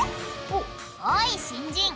おい新人。